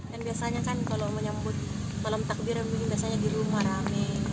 dan biasanya kan kalau menyambut malam takbiran biasanya di rumah rame